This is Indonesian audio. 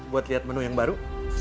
buat lihat menu yang baru